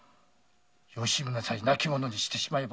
吉宗さえ亡き者にしてしまえば。